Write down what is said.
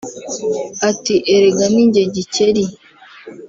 ati “Erega ni jye Gikeli